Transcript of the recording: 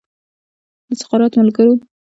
د سقراط ملګرو د هغه د تېښې پلان جوړ کړ.